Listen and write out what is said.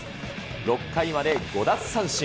６回まで５奪三振。